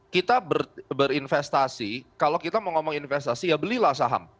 kita berinvestasi kalau kita mau ngomong investasi ya belilah saham